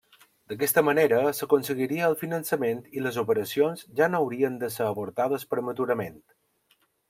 D'aquesta manera s'aconseguiria el finançament i les operacions ja no haurien de ser avortades prematurament.